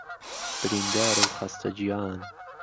برینداره و خهسته گیان